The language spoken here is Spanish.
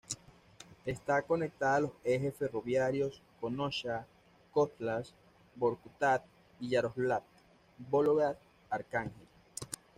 Está conectada a los ejes ferroviarios Kónosha-Kotlas-Vorkutá y Yaroslavl-Vólogda-Arcángel.